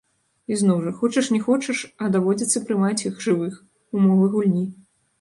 І, зноў жа, хочаш не хочаш, а даводзіцца прымаць іх, жывых, умовы гульні.